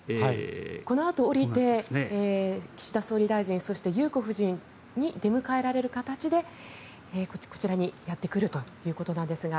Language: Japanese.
このあと降りて岸田総理大臣そして裕子夫人に出迎えられる形でこちらにやってくるということですが